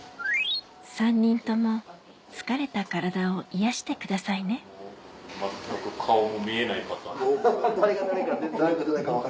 ３人とも疲れた体を癒やしてくださいね誰が誰か全然。